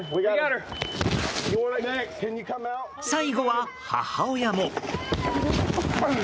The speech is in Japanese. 最後は母親も。